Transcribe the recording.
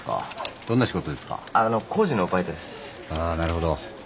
ああなるほど。